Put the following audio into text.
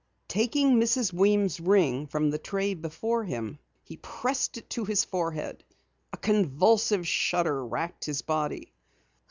Taking Mrs. Weems' ring from the tray before him, he pressed it to his forehead. A convulsive shudder wracked his body.